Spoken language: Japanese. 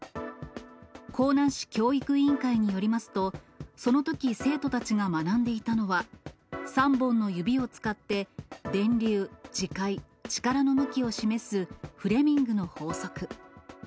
江南市教育委員会によりますと、そのとき、生徒たちが学んでいたのは、３本の指を使って、電流、磁界、力の向きを示すフレミングの法則。